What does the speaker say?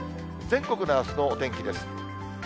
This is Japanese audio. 全国のあすのお天気です。